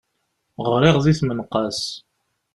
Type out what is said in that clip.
Γriɣ di tmenqas.